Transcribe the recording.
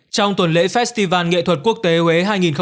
trong tuần lễ festival nghệ thuật quốc tế huế hai nghìn hai mươi bốn